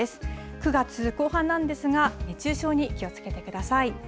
９月後半なんですが熱中症に気をつけてください。